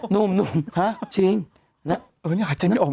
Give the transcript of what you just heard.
นุ่มจริง